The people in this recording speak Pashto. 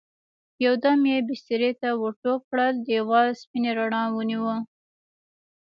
يو دم يې بسترې ته ور ټوپ کړل، دېوال سپينې رڼا ونيو.